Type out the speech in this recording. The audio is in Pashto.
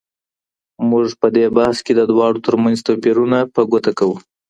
موږ په دې بحث کې د دواړو ترمنځ توپيرونه په ګوته کوو.